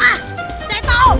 ah saya tau